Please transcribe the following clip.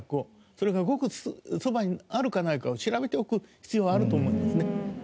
それがごくそばにあるかないかを調べておく必要あると思いますね。